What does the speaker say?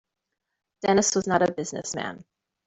Dennis was not a business man.